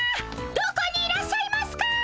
どこにいらっしゃいますか？